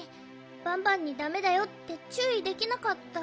バンバンにだめだよってちゅういできなかった。